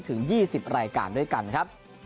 ถึง๒๐รายการด้วยกันครับ